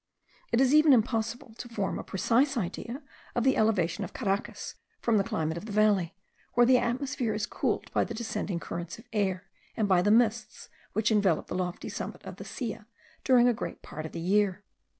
It is even impossible to form a precise idea of the elevation of Caracas, from the climate of the valley, where the atmosphere is cooled by the descending currents of air, and by the mists, which envelope the lofty summit of the Silla during a great part of the year.